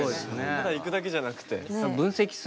ただ行くだけじゃなくて。